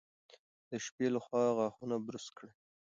د شپې لخوا غاښونه برس کړئ.